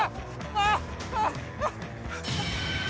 あっ！